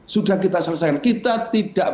sudah kita selesaikan kita tidak